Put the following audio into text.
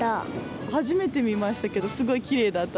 初めて見ましたけどすごいきれいだった。